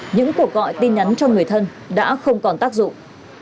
những cuộc gọi tin nhắn cho người thân đã không còn tác dụng